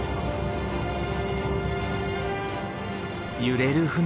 揺れる船。